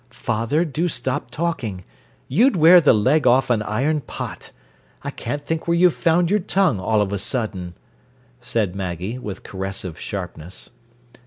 "Father, do stop talking. You'd wear the leg off an iron pot. I can't think where you've found your tongue, all of a sudden," said Maggie, with caressive sharpness.